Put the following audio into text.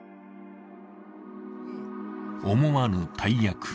思わぬ大役。